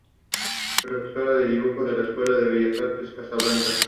Profesora de dibujo en la Escuela de Bellas Artes de Casablanca.